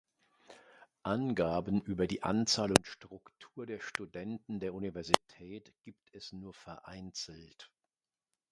Angaben über die Anzahl und Struktur der Studenten der Universität gibt es nur vereinzelt.